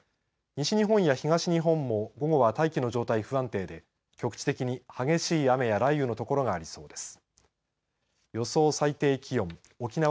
西日本や東日本も午後は大気の状態が不安定で局地的に激しい雨や雷雨の所がありそうです。